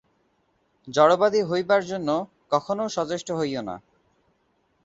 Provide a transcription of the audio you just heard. জড়বাদী হইবার জন্য কখনও সচেষ্ট হইও না।